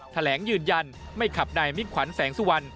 แถลงยืนยันไม่ขับนายมิกขวัญแสงสุวรรณ